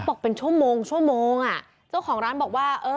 บอกว่าจะเป็นชั่วโมงอ่ะเจ้าของร้านบอกว่าอะ